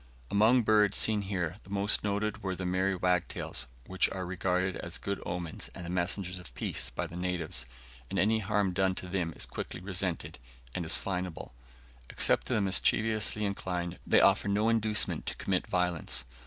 Among birds seen here, the most noted were the merry wagtails, which are regarded as good omens and messengers of peace by the natives, and any harm done unto them is quickly resented, and is fineable. Except to the mischievously inclined, they offer no inducement to commit violence.